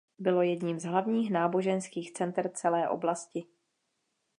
Bylo jedním z hlavních náboženských center celé oblasti.